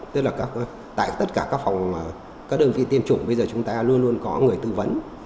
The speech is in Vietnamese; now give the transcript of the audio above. tức là tại tất cả các phòng các đơn vị tiêm chủng bây giờ chúng ta luôn luôn có người tư vấn